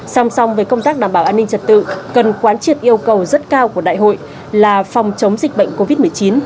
song song với công tác đảm bảo an ninh trật tự cần quán triệt yêu cầu rất cao của đại hội là phòng chống dịch bệnh covid một mươi chín